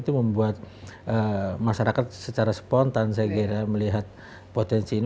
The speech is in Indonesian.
itu membuat masyarakat secara spontan melihat potensi ini